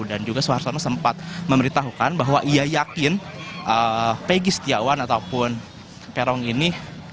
dan juga soeharto soeno sempat memberitahukan bahwa ia yakin pegi setiawan ataupun perong ini